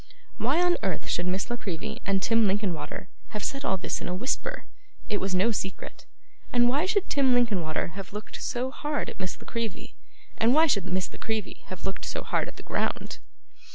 Why on earth should Miss La Creevy and Tim Linkinwater have said all this in a whisper? It was no secret. And why should Tim Linkinwater have looked so hard at Miss La Creevy, and why should Miss La Creevy have looked so hard at the ground?